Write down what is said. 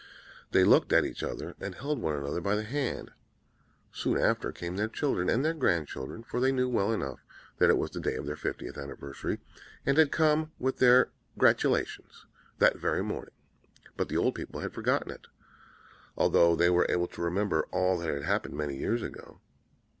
They looked at each other and held one another by the hand. Soon after came their children, and their grand children; for they knew well enough that it was the day of the fiftieth anniversary, and had come with their gratulations that very morning; but the old people had forgotten it, although they were able to remember all that had happened many years ago.